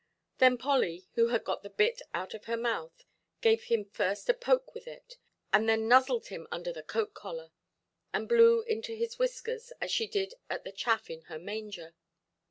Then Polly, who had got the bit out of her mouth, gave him first a poke with it, and then nuzzled him under the coat–collar, and blew into his whiskers as she did at the chaff in her manger.